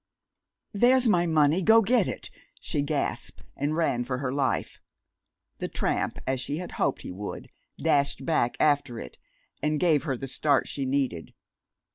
"There's my money go get it!" she gasped and ran for her life. The tramp, as she had hoped he would, dashed back after it and gave her the start she needed.